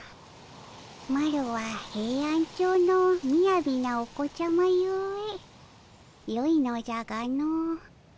マロはヘイアンチョウのみやびなお子ちゃまゆえよいのじゃがの。